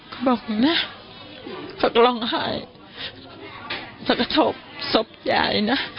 ก็บอกนะเขาก็ร้องไห้สกทบสบใจนะ